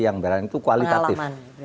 yang berani itu kualitatif